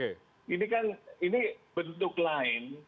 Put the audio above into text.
ini kan bentuk lain